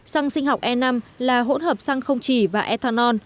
xăng sinh học e năm là hỗn hợp xăng không chỉ và ethanol